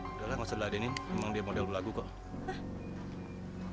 yaudahlah gak usah delahinin emang dia model lagu kok